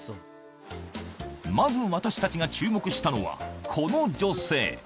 まず、私たちが注目したのはこの女性。